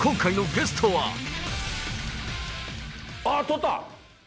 あっ、捕った。